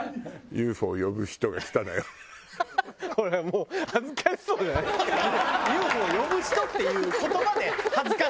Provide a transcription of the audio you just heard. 「ＵＦＯ呼ぶ人」っていう言葉で恥ずかしくなってる。